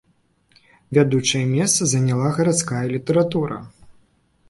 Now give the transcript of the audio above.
Вядучае месца заняла гарадская літаратура.